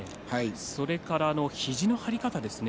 それから肘の張り方ですね